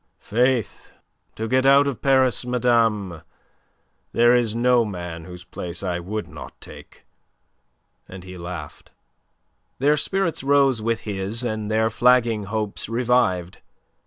"Faith, to get out of Paris, madame, there is no man whose place I would not take." And he laughed. Their spirits rose with his and their flagging hopes revived.